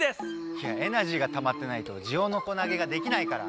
いやエナジーがたまってないとジオノコ投げができないから。